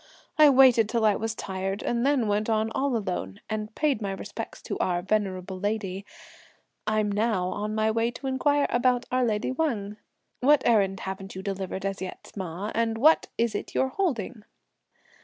I waited till I was tired, and then went on all alone, and paid my respects to our venerable lady; I'm now, on my way to inquire about our lady Wang. What errand haven't you delivered as yet, ma; and what is it you're holding?"